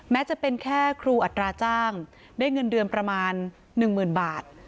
แม้จะเป็นแค่ครูอัตราจ้างได้เงินเดือนประมาณ๑๐๐๐บาท